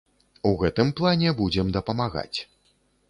У гэтым плане будзем дапамагаць.